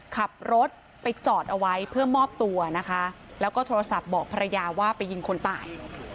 ขับรถไปจอดเอาไว้เพื่อมอบตัวนะคะแล้วก็โทรศัพท์บอกภรรยาว่าไปยิงคนตาย